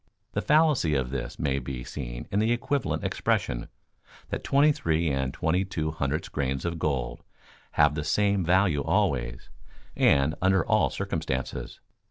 The fallacy of this may be seen in the equivalent expression that twenty three and twenty two hundredths grains of gold have the same value always and under all circumstances.